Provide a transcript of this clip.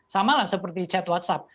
samalah seperti chat whatsapp